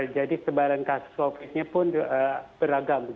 jadi sebarang kasus covid sembilan belas nya pun beragam